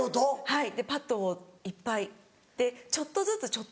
はい。